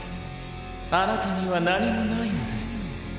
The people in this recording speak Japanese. あなたには何もないのです。